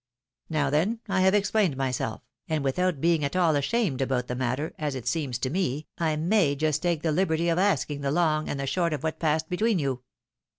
Now then, I have explained myself, and ■svithout being at all ashamed about the matter, as it seems to me, I may just take the hberty of asking the long and the short of what passed between you.